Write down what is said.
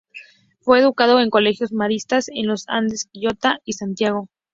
Fue educado en colegios maristas en Los Andes, Quillota y Santiago.